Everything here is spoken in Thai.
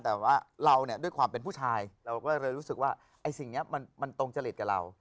แต่ว่าเราเนี่ยด้วยความเป็นผู้ชายเราก็เลยรู้สึกว่าไอ้สิ่งนี้มันตรงจริตกับเรา